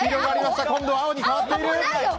今度は青に変わっている。